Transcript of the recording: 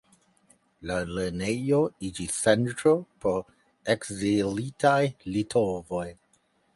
La lernejo iĝis centro por ekzilitaj litovoj.